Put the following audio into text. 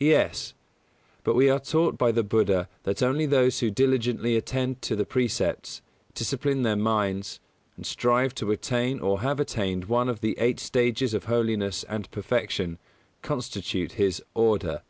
Yes; but we are taught by the Buddha that only those who diligently attend to the Precepts, discipline their minds, and strive to attain or have attained one of the eight stages of holiness and perfection, constitute his "Order".